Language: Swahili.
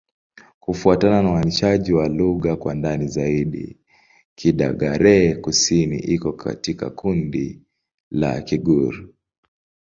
Kufuatana na uainishaji wa lugha kwa ndani zaidi, Kidagaare-Kusini iko katika kundi la Kigur.